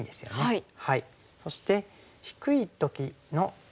はい。